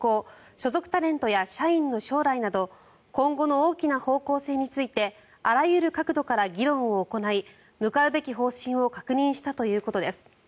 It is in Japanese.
所属タレントや社員の将来など今後の大きな方向性についてあらゆる角度から議論を行い向かうべき方針を確認したということです。